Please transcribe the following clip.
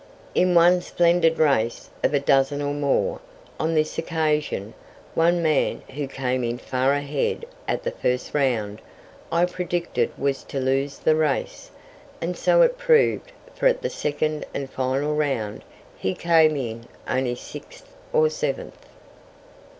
In one splendid race, of a dozen or more, on this occasion, one man, who came in far ahead at the first round, I predicted was to lose the race; and so it proved, for at the second and final round he came in only sixth or seventh.